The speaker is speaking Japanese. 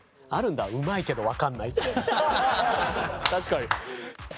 確かに。